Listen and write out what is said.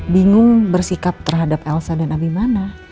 bingung bersikap terhadap elsa dan abimana